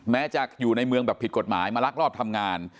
แม้จะอยู่ในเมืองแบบผิดกฎหมายมาลักลอบทำงาน